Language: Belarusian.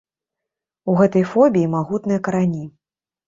У гэтай фобіі магутныя карані.